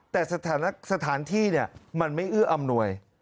แต่สถานที่มันไม่เอื้ออำนวย